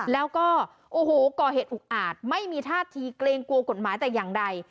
แล้วก็โอ้โหก่อเหตุอุกอาจไม่มีท่าทีเกรงกลัวกฎหมายแต่อย่างใด